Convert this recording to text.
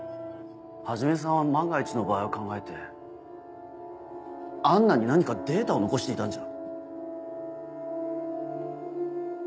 始さんは万が一の場合を考えてアンナに何かデータを残していたんじゃ。